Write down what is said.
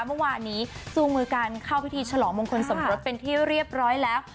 เมื่อวานนี้จูงมือกันเข้าพิธีฉลองมงคลสมรสเป็นที่เรียบร้อยแล้ว